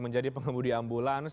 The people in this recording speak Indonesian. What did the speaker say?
menjadi pengemudi ambulans